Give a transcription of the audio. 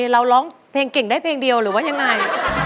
ร้องเพลงเก่งได้เพลงเดียวหรือว่ายังไง